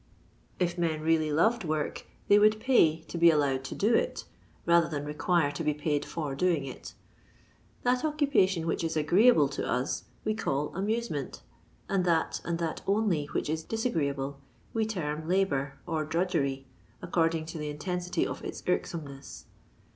If men really loved work they would pay to be allowed to do it rather than re quire to be paid for doing it That occupation which is agreeable to us we call amusement, and that and that only which is disagreeable we term labour, or drudgery, according to the intensity ef its irksomeness.